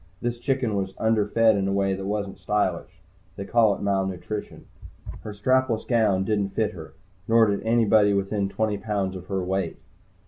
This chicken was underfed in a way that wasn't stylish. They call it malnutrition. Her strapless gown didn't fit her, nor anybody within twenty pounds of her weight.